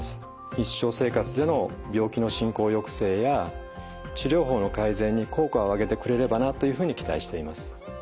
日常生活での病気の進行抑制や治療法の改善に効果を上げてくれればなというふうに期待しています。